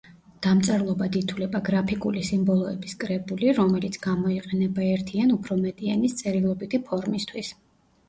დამწერლობად ითვლება „გრაფიკული სიმბოლოების კრებული, რომელიც გამოიყენება ერთი ან უფრო მეტი ენის წერილობითი ფორმისთვის“.